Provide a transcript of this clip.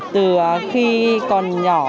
từ khi còn nhỏ